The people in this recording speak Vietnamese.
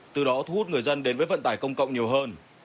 từ đó thu hút người dân đến với vận tải công cộng nhiều hơn